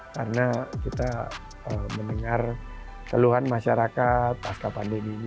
karena kita mendengar keluhan masyarakat pasca pandemi ini